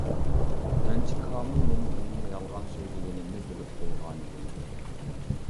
مەنچە كامىل مېنىڭ ئۇنىڭغا يالغان سۆزلىگىنىمنى بىلىپ بولغانىدى.